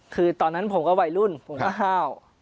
คือตอนนั้นผมวัยรุ่นยังก็เปล่า